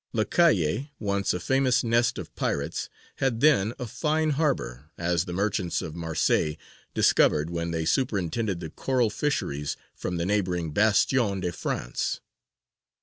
Lacalle, once a famous nest of pirates, had then a fine harbour, as the merchants of Marseilles discovered when they superintended the coral fisheries from the neighbouring Bastion de France.